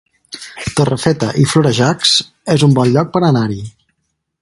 Torrefeta i Florejacs es un bon lloc per anar-hi